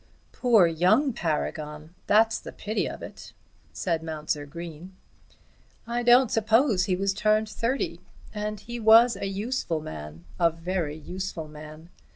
"Poor young Paragon! that's the pity of it," said Mounser Green. "I don't suppose he was turned thirty, and he was a useful man, a very useful man.